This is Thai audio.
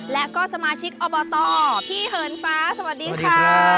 และก็สมาชิกอบตพี่เหินฟ้าสวัสดีค่ะ